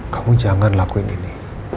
kamu jangan lakuin ini